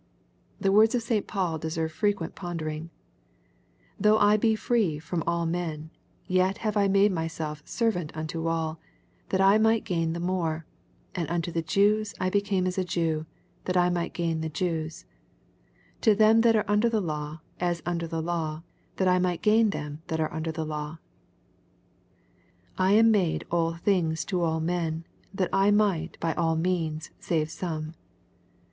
The words of St. Paul deserve frequent ponder ing ;—" Though I be free from all men, yet have I made myself servant unto all, that I might gain the more, and unto the Jews I became as a Jew, that I might gain the Jews : to them that are under the law, as under the law, that I might gain them that are under the law/* —" I am made all things to all men, that I might by all means save some."